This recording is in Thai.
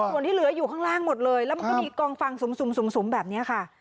ส่วนที่เหลืออยู่ข้างล่างหมดเลยแล้วมันก็มีกองฟังสุ่มแบบนี้ค่ะ